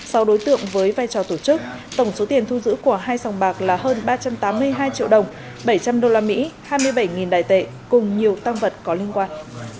sau đối tượng với vai trò tổ chức tổng số tiền thu giữ của hai sòng bạc là hơn ba trăm tám mươi hai triệu đồng bảy trăm linh usd hai mươi bảy đại tệ cùng nhiều tăng vật có liên quan